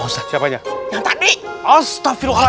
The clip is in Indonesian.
hai dari anginnya bausnya